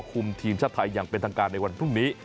คุมทีมชาติไทยอย่างเป็นทางการในวันพรุ่งนี้